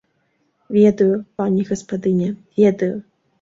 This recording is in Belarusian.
Ведаю, пані гаспадыня, ведаю.